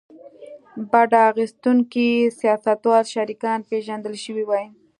بډه اخیستونکي سیاستوال شریکان پېژندل شوي وای.